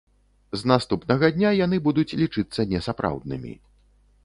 З наступнага дня яны будуць лічыцца несапраўднымі.